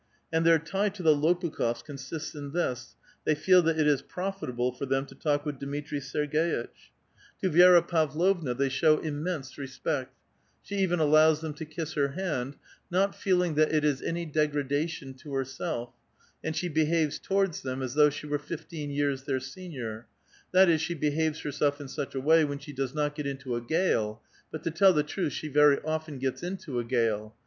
And their tie to the Tx)pukh6f8 consists in this : they feel that it is profitable for them to talk with Dmitri Serg^itch. To Vicra 188 A VITAL QUESTION. Pavlovna they show immense respect; she even allows them to kiss her hand, not feeling that it is any degradation to herself, and she behaves towards them as though she were fifteen years their senior ; that is, she behaves herself in such a way when she does not get into a gale ; but, to tell the truth, she very often gets into a gale.